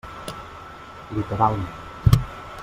Literalment.